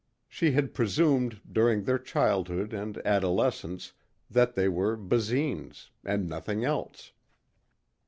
She had presumed during their childhood and adolescence that they were Basines and nothing else.